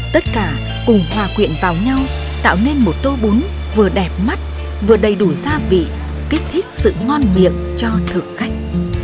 tất cả cùng hòa quyện vào nhau tạo nên một tô bún vừa đẹp mắt vừa đầy đủ gia vị kích thích sự ngon miệng cho thực khách